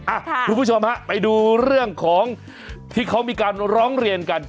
คุณผู้ชมฮะไปดูเรื่องของที่เขามีการร้องเรียนกัน